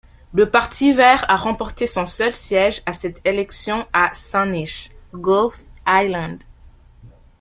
Le Parti vert a remporté son seul siège à cette élection à Saanich—Gulf Islands.